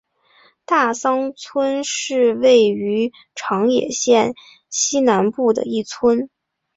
大桑村是位于长野县西南部的一村。